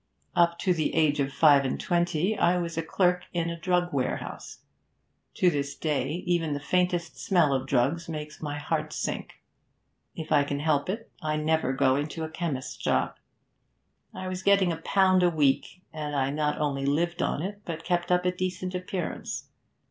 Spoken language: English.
'Up to the age of five and twenty I was clerk in a drug warehouse. To this day even the faintest smell of drugs makes my heart sink. If I can help it, I never go into a chemist's shop. I was getting a pound a week, and I not only lived on it, but kept up a decent appearance.